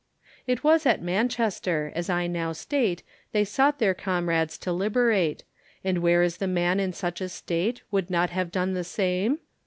It was at Manchester, as I now state, they sought their comrades to liberate, And where is the man in such a state, would not have done the same?